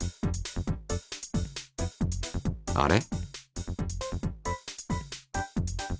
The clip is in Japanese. あれ？